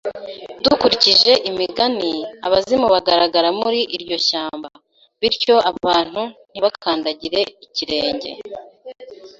Dukurikije imigani, abazimu bagaragara muri iryo shyamba, bityo abantu ntibakandagire ikirenge.